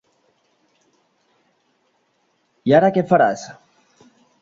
I ara què faràs?